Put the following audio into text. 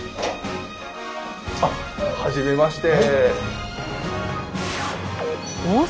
あっはじめまして。